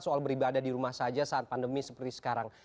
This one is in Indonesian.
soal beribadah di rumah saja saat pandemi seperti sekarang